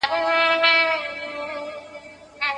ښوونځی د علم د ترلاسه کولو ځای دی.